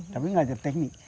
tapi mengajar teknik